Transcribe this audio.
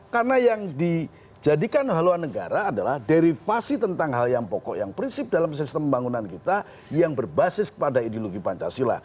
karena yang dijadikan haluan negara adalah derivasi tentang hal yang pokok yang prinsip dalam sistem pembangunan kita yang berbasis pada ideologi pancasila